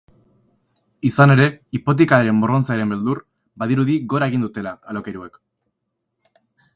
Izan ere, hipotekaren morrontzaren beldur, badirudi gora egin dutela alokairuek.